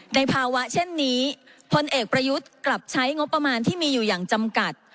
ในภาวะเช่นนี้พลเอกประยุทธ์กลับใช้งบประมาณที่มีอยู่อย่างจำกัด